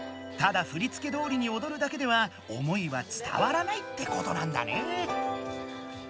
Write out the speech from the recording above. ただふりつけどおりにおどるだけでは思いはつたわらないってことなんだね。